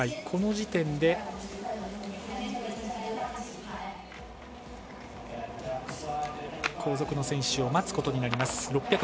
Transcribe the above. この時点で後続の選手を待つことになります。